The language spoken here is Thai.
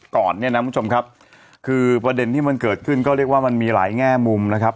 ก่อนเนี่ยนะคุณผู้ชมครับคือประเด็นที่มันเกิดขึ้นก็เรียกว่ามันมีหลายแง่มุมนะครับ